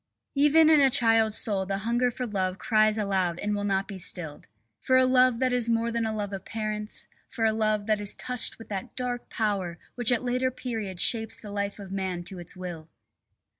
Even in a child's soul the hunger for love cries aloud and will not be stilled. For a love that is more than a love of parents, for a love that is touched with that dark power which at a later period shapes the life of man to its will.